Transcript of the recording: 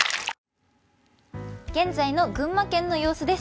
現在の群馬県の様子です。